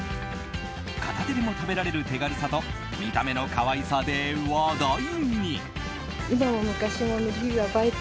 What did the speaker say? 片手でも食べられる手軽さと見た目の可愛さで話題に。